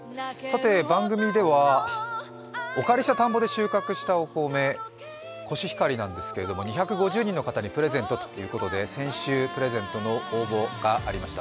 番組ではお借りした田んぼで収穫したお米コシヒカリなんですけど２５０人の方にプレゼントということで先週、プレゼントの応募がありました。